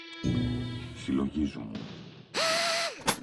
Συλλογίζουμουν